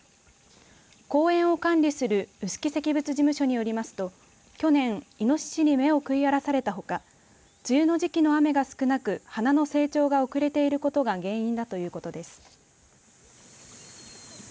公園を管理する臼杵石仏事務所によりますと去年、イノシシに芽を食い荒らされたほか梅雨の時期の雨が少なく花の成長が遅れていることが原因だということです。